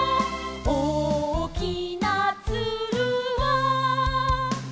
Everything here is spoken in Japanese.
「おおきなツルは」